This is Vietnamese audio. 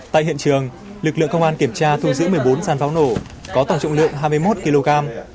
tại hiện trường lực lượng công an kiểm tra thu giữ một mươi bốn sản pháo nổ có tổng trọng lượng hai mươi một kg